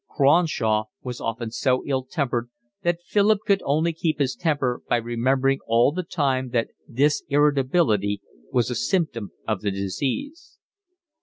Cronshaw was often so ill humoured that Philip could only keep his temper by remembering all the time that this irritability was a symptom of the disease.